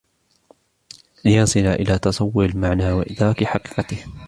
لِيَصِلَ إلَى تَصَوُّرِ الْمَعْنَى وَإِدْرَاكِ حَقِيقَتِهِ